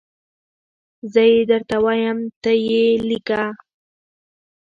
زه یي درته وایم ته یي لیکه